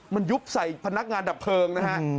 มันยุบใส่พนักงานดับเพลิงนะฮะ